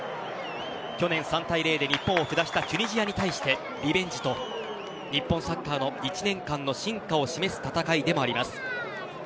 去年、３対０で日本を下したチュニジアに対して、リベンジと日本サッカーの１年間の進化を示す戦いでもあります。